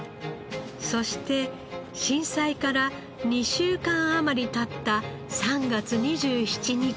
そして震災から２週間余り経った３月２７日。